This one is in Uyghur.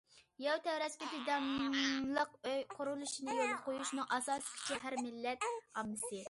يەر تەۋرەشكە چىداملىق ئۆي قۇرۇلۇشىنى يولغا قويۇشنىڭ ئاساسىي كۈچى ھەر مىللەت ئاممىسى.